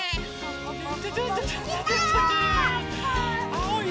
あおい